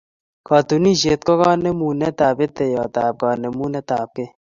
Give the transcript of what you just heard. Katunisyet ko kanemunetab peteyotab kanemunetabgei.